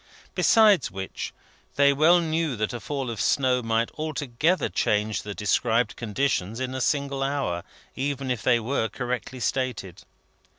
Besides which, they well knew that a fall of snow might altogether change the described conditions in a single hour, even if they were correctly stated.